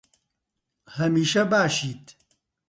هەمیشە باشیت.